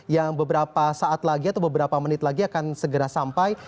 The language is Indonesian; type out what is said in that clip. yang beberapa saat lagi atau beberapa menit lagi akan segera sampai